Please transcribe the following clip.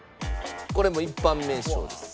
これも一般名称です。